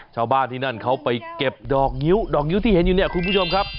ชาวบ้านที่นั่นเขาไปเก็บดอกงิ้วดอกงิ้วที่เห็นอยู่เนี่ยคุณผู้ชมครับ